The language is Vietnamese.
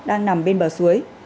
đang nằm bên bờ suối